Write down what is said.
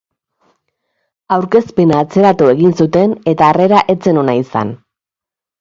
Aurkezpena atzeratu egin zuten, eta harrera ez zen ona izan.